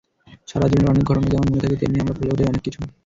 সারা জীবনের অনেক ঘটনা যেমন মনে থাকে, তেমনি আমরা ভুলেও যাই অনেক কিছু।